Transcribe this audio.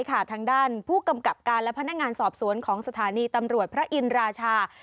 ทางด้านผู้กำกับการและพนักงานสอบสวนของสถานีตำรวจพระอินราชา